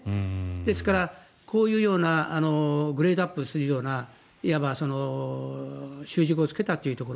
ですから、こういうようなグレードアップするようないわば修飾をつけたというところ。